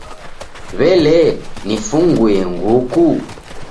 W'ele, nifunguye nguku?